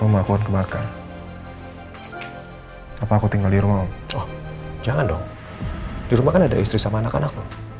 rumah aku orang kebataan apa aku tinggal di rumah om oh jangan dong di rumah kan ada istri sama anak anakmu